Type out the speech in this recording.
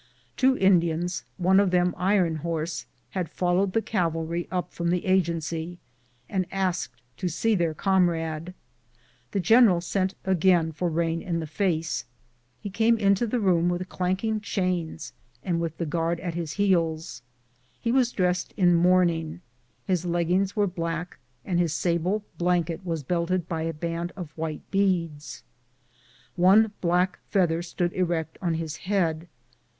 Two Indians, one of them Iron Horse, had followed the cavalry up from the Agency and asked to see their comrade. The general sent again for Rain in the face. He came into the room with clanking chains and with the guard at his heels. He was dressed in mourning. His leggings were black, and his sable blanket was belt ed by a band of white beads. One black feather stood erect on his head.